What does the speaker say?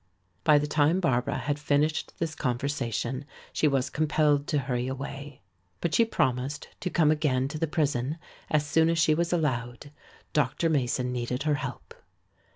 By the time Barbara had finished this conversation she was compelled to hurry away. But she promised to come again to the prison as soon as she was allowed. Dr. Mason needed her help.